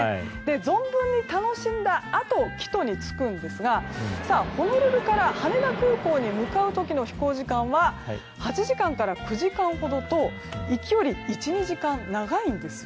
存分に楽しんだあと帰途に就くんですがホノルルから羽田空港に向かう時の飛行時間は８時間から９時間ほどと行きより１２時間長いんです。